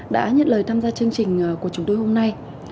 đã nhận lời tham gia chương trình của chúng tôi hôm nay